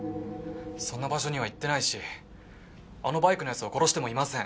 そんな場所には行ってないしあのバイクの奴を殺してもいません。